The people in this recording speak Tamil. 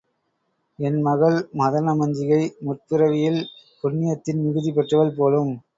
என் மகள் மதனமஞ்சிகை முற்பிறவியில் புண்ணியத்தின் மிகுதி பெற்றவள் போலும்.